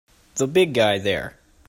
The big guy there!